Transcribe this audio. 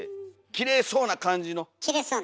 きれいそうな感じのね。